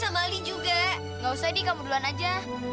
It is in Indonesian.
sampai jumpa di video selanjutnya